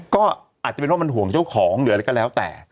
ก็อาจจะเป็นว่ามันห่วงเจ้าของหรืออะไรก็แล้วแต่